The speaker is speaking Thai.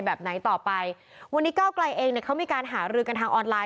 แบบไหนต่อไปวันนี้เก้าไกลเองเนี่ยเขามีการหารือกันทางออนไลน